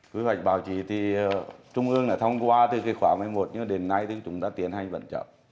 quy hoạch báo chí thì trung ương đã thông qua từ cái khóa một mươi một nhưng đến nay thì chúng ta tiến hành vẫn chậm